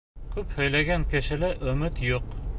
Күп һөйләгән кешелә өмөт юҡ.